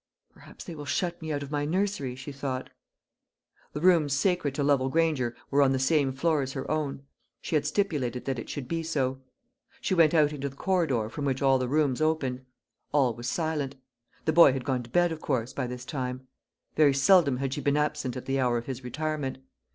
"Perhaps they will shut me out of my nursery," she thought. The rooms sacred to Lovel Granger were on the same floor as her own she had stipulated that it should be so. She went out into the corridor from which all the rooms opened. All was silent. The boy had gone to bed, of course, by this time; very seldom had she been absent at the hour of his retirement.